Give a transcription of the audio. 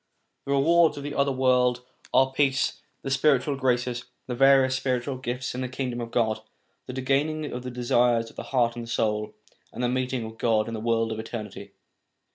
The rewards of the other world are peace, the spiritual graces, the various spiritual gifts in the Kingdom of God, the gaining of the desires of the heart and the soul, and the meeting ot God in the world of eternity.